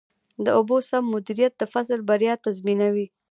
د اوبو سم مدیریت د فصل بریا تضمینوي.